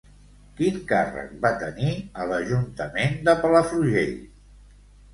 Quin càrrec va tenir a l'Ajuntament de Palafrugell?